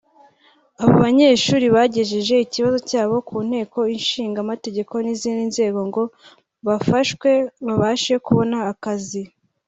Abo banyeshuri bagejeje ikibazo cyabo ku Nteko Ishinga Amategeko n’izindi nzego ngo bafashwe babashe kubona akazi